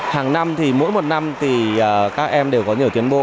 hàng năm thì mỗi một năm thì các em đều có nhiều tiến bộ